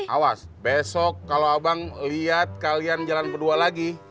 awas besok kalau abang lihat kalian jalan berdua lagi